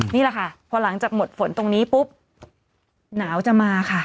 นี่แหละค่ะพอหลังจากหมดฝนตรงนี้ปุ๊บหนาวจะมาค่ะ